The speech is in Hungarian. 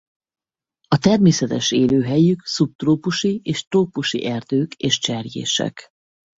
A természetes élőhelyük szubtrópusi és trópusi erdők és cserjések.